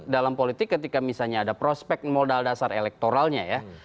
dalam politik ketika misalnya ada prospek modal dasar elektoralnya ya